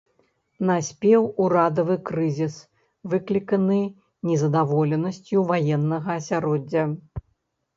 Наспеў урадавы крызіс, выкліканы незадаволенасцю ваеннага асяроддзя.